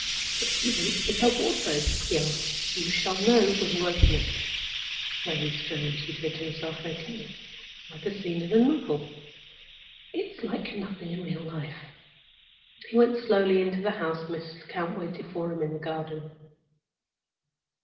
"What do you want with her wardrobe?" he asked. "You shall know when you open it." "Very strange!" he said to himself, vacantly. "It's like a scene in a novel—it's like nothing in real life." He went slowly into the house, and Mrs. Lecount waited for him in the garden.